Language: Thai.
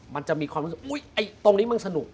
มันจะมีความรู้สึกอุ๊ยตรงนี้มันสนุก